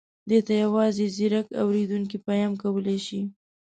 دې ته یوازې ځيرک اورېدونکي پام کولای شي.